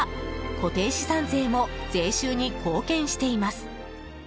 固定資産税も税収に貢献しています。